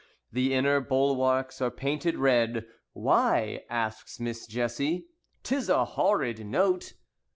The inner bulwarks are painted red. "Why?" asks Miss Jessie. "'Tis a horrid note."